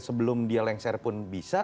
sebelum dia lengser pun bisa